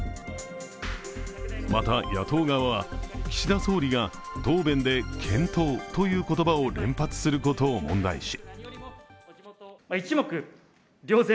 また、野党側は岸田総理が答弁で「検討」という言葉を連発することを問題視。